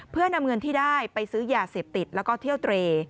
เพื่อนำเงินที่ได้ไปซื้อยาเสพติดแล้วก็เที่ยวเตร